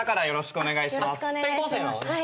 よろしくお願いします。